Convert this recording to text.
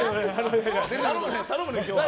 頼むね、今日は。